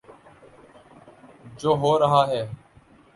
جو ہو رہا ہے۔